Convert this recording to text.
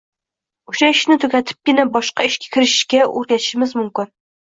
o‘sha ishni tugatibgina boshqa ishga kirishishga o‘rgatishimiz mumkin.